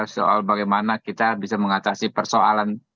soal bagaimana kita bisa mengatasi persoalan